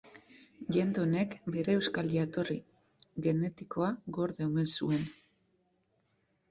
Jende honek bere euskal jatorri genetikoa gorde omen zuen.